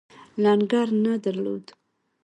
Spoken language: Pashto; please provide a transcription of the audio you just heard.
لنګر نه درلود.